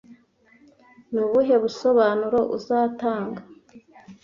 Ni ubuhe busobanuro uzatanga